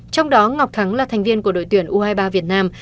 trong đó ngọc thắng là thành viên của đội tuyển u hai mươi ba việt nam